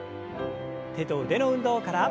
手と腕の運動から。